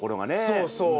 そうそう。